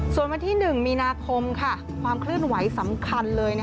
ส่วนวันที่๑มีนาคมความเคลื่อนไหวสำคัญเลย